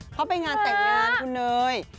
เขาไปงานแต่งงานคุณเนย